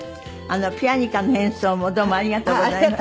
ピアニカの演奏もどうもありがとうございました。